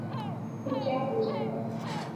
تو کیا ہوجائے گا۔